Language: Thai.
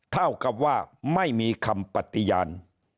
เท่ากับว่าไม่มีคำปฏิญาณ